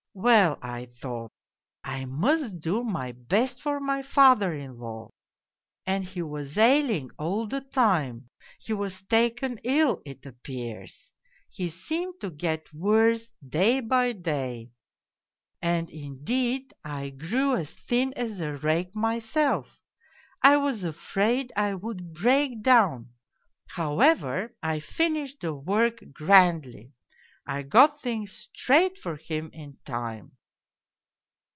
Well, I thought, I must do my best for my father in law ! And he was ailing all the time, he was taken ill, it appears ; he seemed to get worse day by day. And, indeed, I grew as thin as a rake mj^self, I was afraid I would break down. However, I finished the work grandly. I got things straight for him in time.